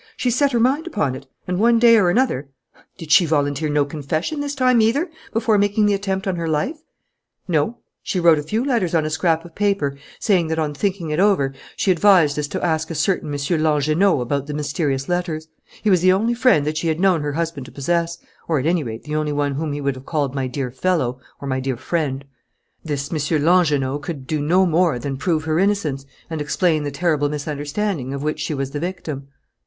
She's set her mind upon it. And, one day or another " "Did she volunteer no confession, this time either, before making the attempt on her life?" "No. She wrote a few words on a scrap of paper, saying that, on thinking it over, she advised us to ask a certain M. Langernault about the mysterious letters. He was the only friend that she had known her husband to possess, or at any rate the only one whom he would have called, 'My dear fellow,' or, 'My dear friend,' This M. Langernault could do no more than prove her innocence and explain the terrible misunderstanding of which she was the victim."